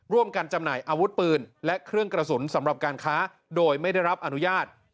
จำหน่ายอาวุธปืนและเครื่องกระสุนสำหรับการค้าโดยไม่ได้รับอนุญาต